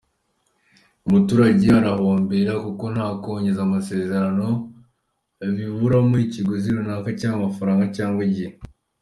Umuturage arahahombera kuko nta kongeza amasezerano biburamo ikiguzi runaka cyaba amafaranga cyangwa igihe.